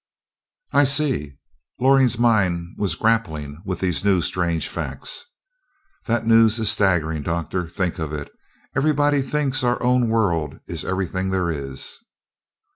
"I see." Loring's mind was grappling with these new and strange facts. "That news is staggering, Doctor. Think of it. Everybody thinks our own world is everything there is!"